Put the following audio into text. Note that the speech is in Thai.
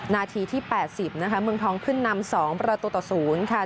นาทีที่๘๐นะคะเมืองทองขึ้นนำ๒ประตูต่อ๐ค่ะ